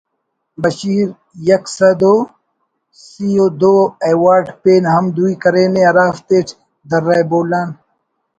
بشیر یک سَد و سی و دو ایوارڑ پین ہم دوئی کرینے ہرافتیٹ درہ بولان